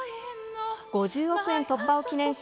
５０億円突破を記念し、